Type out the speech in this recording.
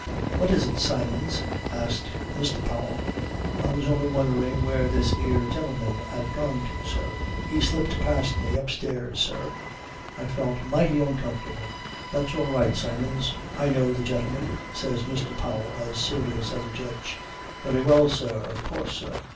"What is it, Symons?" asked Mr. Powell. "I was only wondering where this 'ere gentleman 'ad gone to, sir. He slipped past me upstairs, sir." I felt mighty uncomfortable. "That's all right, Symons. I know the gentleman," says Mr. Powell as serious as a judge. "Very well, sir. Of course, sir.